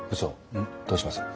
うん？どうします？